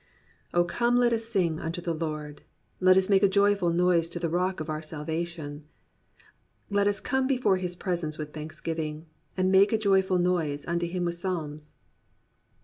O come let us sing unto the Lord; Let us make a joyful noise to the rock of our salvation, Let us come before his presence with thanksgiving; And make a joyful noise unto him with psalms.